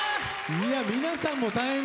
皆さんも大変ね。